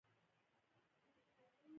ممتاز محل د شاه جهان میرمن وه.